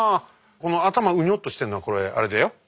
この頭うにょっとしてるのはこれあれだよ